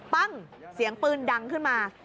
เสียงปืนดังขึ้นมา